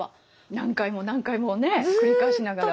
何回も何回もね繰り返しながら。